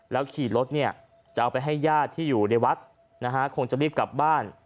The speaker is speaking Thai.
ขี่รถเนี่ยจะเอาไปให้ญาติที่อยู่ในวัดนะฮะคงจะรีบกลับบ้าน